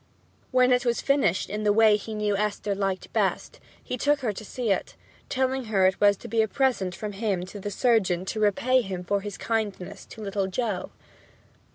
When it was finished in the way he knew Esther liked best, he took her to see it, telling her it was to be a present from him to the surgeon to repay him for his kindness to little Joe.